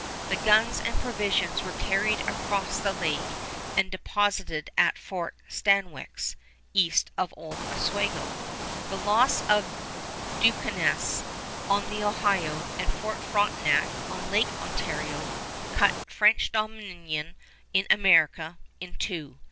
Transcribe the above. The guns and provisions were carried across the lake and deposited at Fort Stanwix, east of old Oswego. The loss of Duquesne on the Ohio and Fort Frontenac on Lake Ontario cut French dominion in America in two.